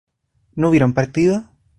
¿no hubieron partido?